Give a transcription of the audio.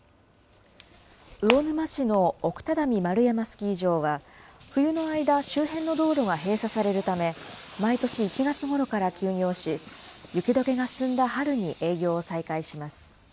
魚沼市の奥只見丸山スキー場は、冬の間、周辺の道路が閉鎖されるため、毎年１月ごろから休業し、雪どけが進んだ春に営業を再開します。